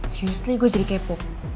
seriously gue jadi kepo